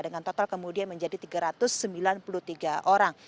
dengan total kemudian menjadi tiga ratus sembilan puluh tiga orang